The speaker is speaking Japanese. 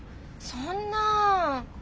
そんな。